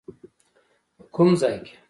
په کوم ځای کې؟